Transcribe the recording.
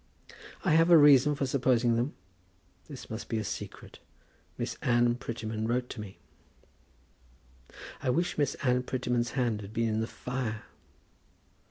"I have a reason for supposing them. This must be a secret. Miss Anne Prettyman wrote to me." "I wish Miss Anne Prettyman's hand had been in the fire."